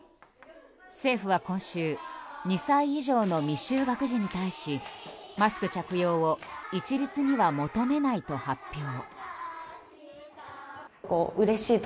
政府は今週２歳以上の未就学児に対しマスク着用を一律には求めないと発表。